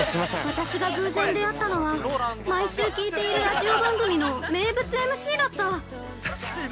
◆私が偶然出会ったのは、毎週聞いているラジオ番組の名物ＭＣだった。